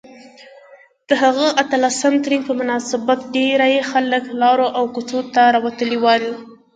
د هغه اتلسم تلین په مناسبت ډیرۍ خلک لارو او کوڅو ته راوتلي ول